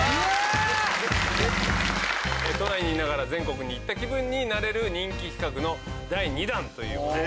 都内にいながら全国に行った気分になれる人気企画の第２弾。